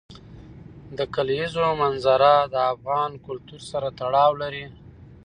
د کلیزو منظره د افغان کلتور سره تړاو لري.